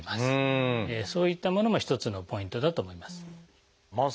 そういったものも一つのポイントだと思います。